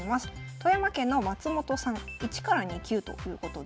富山県の松本さん１２級ということです。